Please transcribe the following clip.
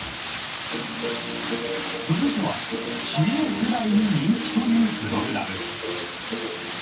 続いては、シニア世代に人気というプログラム。